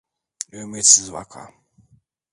Ümitsiz vaka.